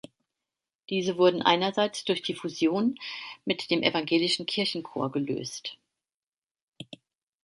Diese wurden einerseits durch die Fusion mit dem evangelischen Kirchenchor gelöst.